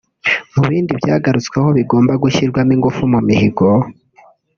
Mu bindi byagarutsweho bigomba gushyirwamo ingufu mu mihigo